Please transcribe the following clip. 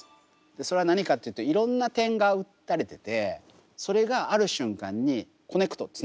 それは何かっていうといろんな点が打たれててそれがある瞬間にコネクトつながる。